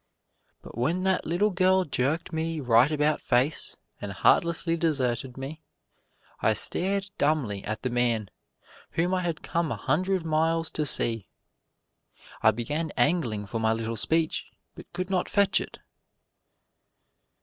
But when that little girl jerked me right about face and heartlessly deserted me, I stared dumbly at the man whom I had come a hundred miles to see. I began angling for my little speech, but could not fetch it.